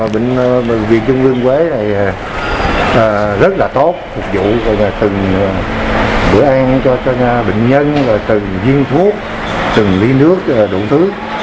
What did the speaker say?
bệnh viện trung ương quế này rất là tốt phục vụ từng bữa ăn cho bệnh nhân từng duyên thuốc từng ly nước đủ thứ